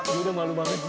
jodoh malu banget sih